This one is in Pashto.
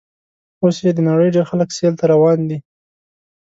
اوس یې د نړۍ ډېر خلک سیل ته روان دي.